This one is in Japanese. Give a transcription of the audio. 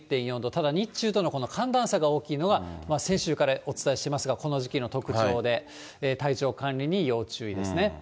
ただ、日中とのこの寒暖差が大きいのが、先週からお伝えしていますが、この時期の特徴で、体調管理に要注意ですね。